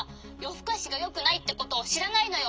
ふかしがよくないってことをしらないのよ」。